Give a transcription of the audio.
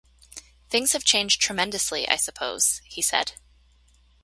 “Things have changed tremendously, I suppose?” he said.